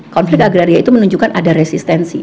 konflik agraria itu menunjukkan ada resistensi